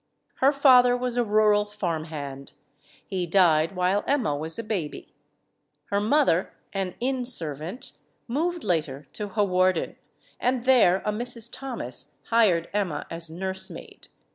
Her father was a rural farm hand. He died while Emma was a baby. Her mother, an inn servant, moved later to Hawarden; and there a Mrs. Thomas hired Emma as nursemaid.